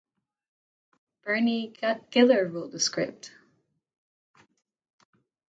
Berne Giler wrote the script.